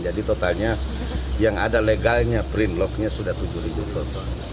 jadi totalnya yang ada legalnya print lognya sudah tujuh ton